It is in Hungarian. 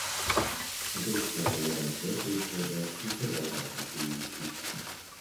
Ez egyszerre jelent veszélyforrást és az ellenkezőjét is.